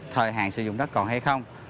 thời hạn sử dụng đất còn hay không